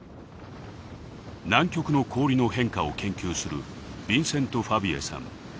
南極の氷の変化を研究するヴィンセント・ファヴィエさん。